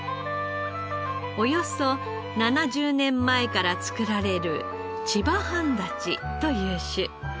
およそ７０年前から作られる千葉半立という種。